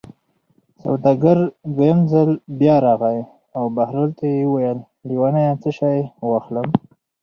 سوداګر دویم ځل بیا راغی او بهلول ته یې وویل: لېونیه څه شی واخلم.